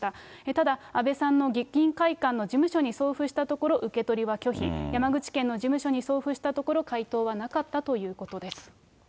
ただ、安倍さんの議員会館の事務所に送付したところ、受け取りは拒否、山口県の事務所に送付したところ、回答はなかったということです。